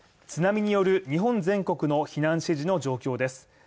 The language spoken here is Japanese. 津波による日本全国の避難指示の状況です。